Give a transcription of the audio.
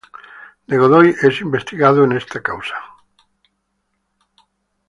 De Godoy es investigado en esta causa.